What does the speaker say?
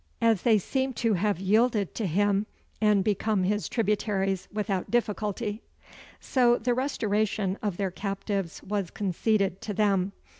As they seem to have yielded to him, and became his tributaries without difficulty; so the restoration of their captives was conceded to them.